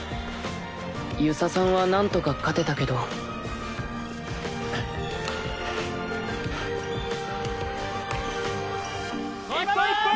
遊佐さんはなんとか勝てたけどもう１本１本！